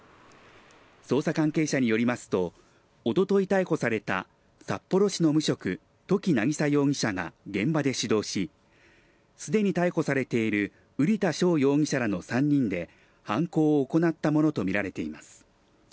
捜査関係者によりますとおととい逮捕された札幌市の無職・土岐渚容疑者が現場で主導しすでに逮捕されている瓜田翔容疑者らの３人で犯行を行ったものとみられています。